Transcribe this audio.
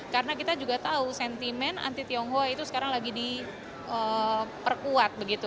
karena kita juga tahu sentimen anti tionghoa itu sekarang lagi diperkuat